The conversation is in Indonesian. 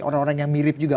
orang orang yang mirip juga